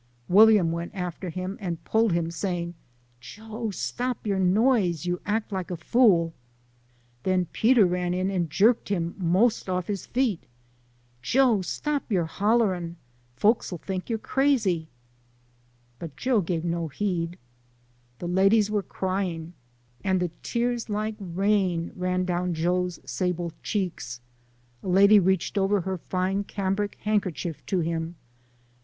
William went after him, and pulled LIFE OF HARRIET TUBMAN. 35 him, saying, " Joe, stop your noise ! you act like a fool !' Then Peter ran in and jerked him mos' off his feet, " Joe, stop your hollerin' ! Folks '11 think you're crazy !" But Joe gave no heed. The ladies were crying, and the tears like rain ran down Joe's sable cheeks. A lady reached over her fine cambric handkerchief to him.